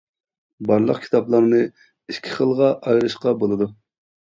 -بارلىق كىتابلارنى ئىككى خىلغا ئايرىشقا بولىدۇ.